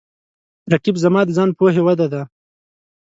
رقیب زما د ځان پوهې وده ده